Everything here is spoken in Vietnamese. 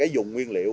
dùng nguyên liệu